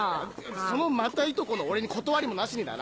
そのまたいとこの俺に断りもなしにだな。